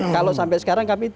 kalau sampai sekarang kami